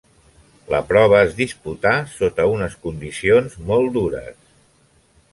La prova es disputà sota unes condicions molt dures.